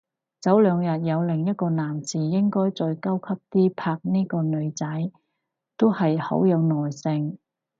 早兩日有另一個男士應該再高級啲拍呢個女仔，都係好有耐性